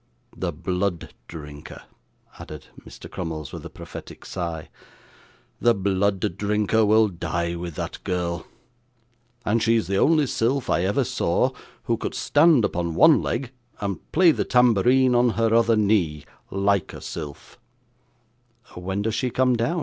"The Blood Drinker,"' added Mr. Crummles with a prophetic sigh, '"The Blood Drinker" will die with that girl; and she's the only sylph I ever saw, who could stand upon one leg, and play the tambourine on her other knee, LIKE a sylph.' 'When does she come down?